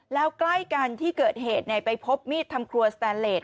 แล้วใกล้กันที่เกิดเหตุไปพบมีดทำครัวสแตนเลส